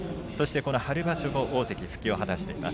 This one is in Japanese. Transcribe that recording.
春場所は大関復帰を果たしています。